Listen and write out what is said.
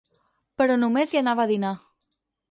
Però només hi anava a dinar.